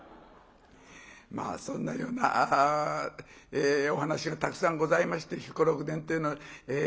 まあそんなようなお噺がたくさんございまして「彦六伝」というの。